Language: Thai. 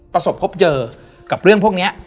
ประสบพบเจอกับเรื่องพวกนี้